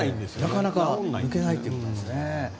なかなか抜けないということですね。